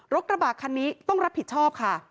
กระบะคันนี้ต้องรับผิดชอบค่ะ